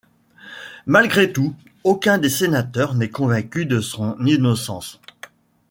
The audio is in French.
Malgré tout, aucun des sénateurs n'est convaincu de son innocence.